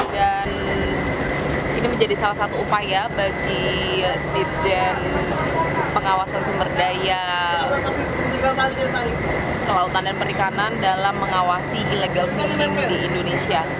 dan ini menjadi salah satu upaya bagi dirjen pengawasan sumber daya kelautan dan perikanan dalam mengawasi illegal fishing di indonesia